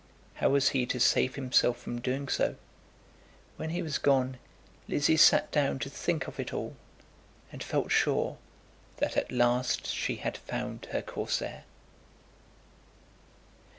How was he to save himself from doing so? When he was gone, Lizzie sat down to think of it all, and felt sure that at last she had found her Corsair.